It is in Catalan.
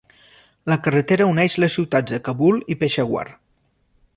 La carretera uneix les ciutats de Kabul i Peshawar.